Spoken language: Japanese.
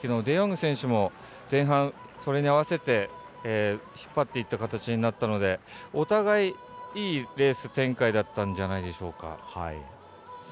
デヨング選手も前半それに合わせて引っ張っていった形になったのでお互い、いいレース展開だったんじゃないでしょうか。